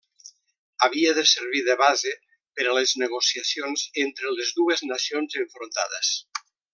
Havia de servir de base per a les negociacions entre les dues nacions enfrontades.